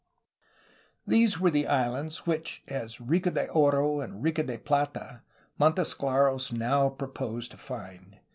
These were the islands which, as ''Rica de Oro" and "Rica de Plata," Montesclaros now proposed to find.